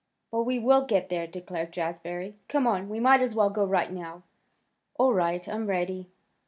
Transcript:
"But we will get there," declared Jazbury. "Come on! We might as well go right now." "All right; I'm ready."